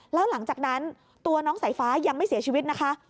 แล้วหลังจากนั้นตัวน้องสายฟ้ายังไม่เสียชีวิตนะคะ